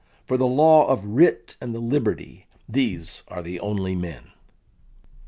For the law of writ and the liberty, these are the only men."